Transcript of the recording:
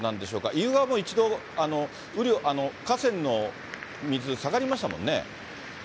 意宇川も一度、河川の水、下がりましたもんね。